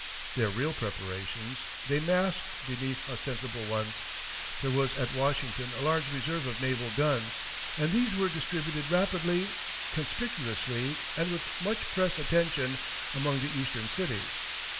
Their real preparations they masked beneath ostensible ones. There was at Washington a large reserve of naval guns, and these were distributed rapidly, conspicuously, and with much press attention, among the Eastern cities.